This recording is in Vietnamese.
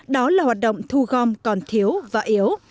đó là hoạt động thu gom còn thiếu và yếu